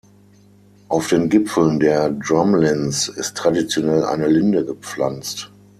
Auf den Gipfeln der Drumlins ist traditionell eine Linde gepflanzt.